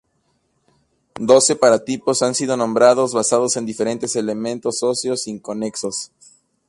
Doce paratipos han sido nombrados basados en diferentes elementos óseos inconexos.